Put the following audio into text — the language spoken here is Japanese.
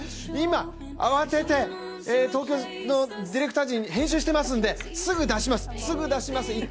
今、慌てて東京のディレクター陣、編集してますんですぐ出します、すぐ出します。